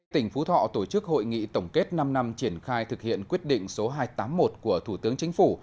tỉnh phú thọ tổ chức hội nghị tổng kết năm năm triển khai thực hiện quyết định số hai trăm tám mươi một của thủ tướng chính phủ